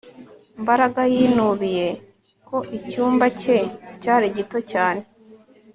Mbaraga yinubiye ko icyumba cye cyari gito cyane